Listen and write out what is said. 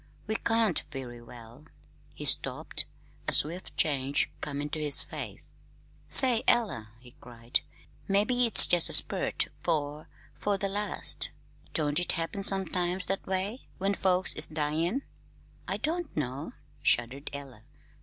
We can't very well " He stopped, a swift change coming to his face. "Say, Ella," he cried, "mebbe it's jest a spurt 'fore 'fore the last. Don't it happen sometimes that way when folks is dyin'?" "I don't know," shuddered Ella.